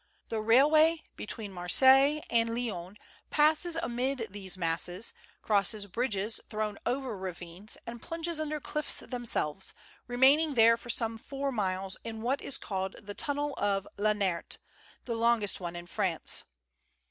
The railway between Marseilles and Lyons passes amid these masses, crosses bridges thrown over ravines, and plunges under the cliffs themselves, remaining there for some four miles in what is called the tunnel of La Nerthe, the longest one in France.